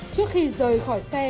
trước khi rời khỏi xe